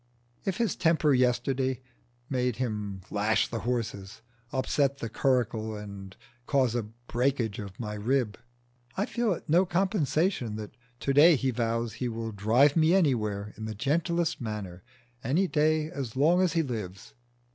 If his temper yesterday made him lash the horses, upset the curricle and cause a breakage in my rib, I feel it no compensation that to day he vows he will drive me anywhere in the gentlest manner any day as long as he lives.